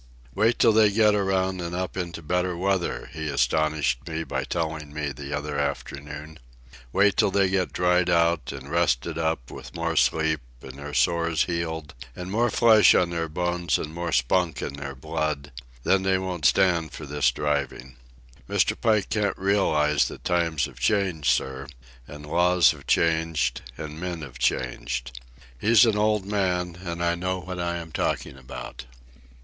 "Wait till they get around and up into better weather," he astonished me by telling me the other afternoon. "Wait till they get dried out, and rested up, with more sleep, and their sores healed, and more flesh on their bones, and more spunk in their blood—then they won't stand for this driving. Mr. Pike can't realize that times have changed, sir, and laws have changed, and men have changed. He's an old man, and I know what I am talking about."